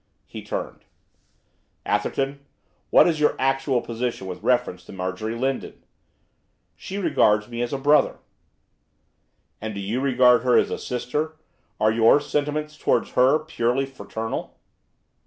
He turned. 'Atherton, what is your actual position with reference to Marjorie Lindon?' 'She regards me as a brother.' 'And do you regard her as a sister? Are your sentiments towards her purely fraternal?